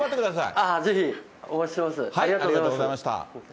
ありありがとうございました。